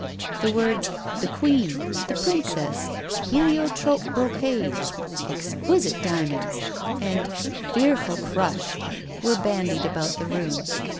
The words " the Queen," " the Princess," " helio trope brocade," "exquisite diamonds," and "fearful crush," were bandied about the room.